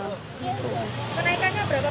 penaikannya berapa persen